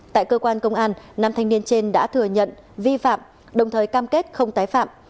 tại cơ quan công an nam thanh niên trên đã thừa nhận vi phạm đồng thời cam kết không tái phạm